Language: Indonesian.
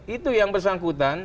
itu yang bersangkutan